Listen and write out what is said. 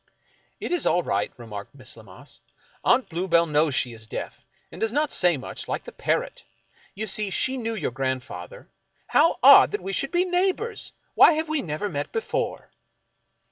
" It is all right," remarked Miss Lammas. " Aunt Blue bell knows she is deaf, and does not say much, like the par rot. You see, she knew your grandfather. How odd that we should be neighbors ! Why have we never met before